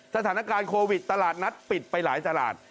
สถานการณ์โควิดตลาดนัดปิดไปหลายตลาด